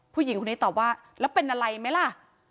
ผู้หญิงคนนี้ตอบว่าแล้วเป็นอะไรไหมล่ะ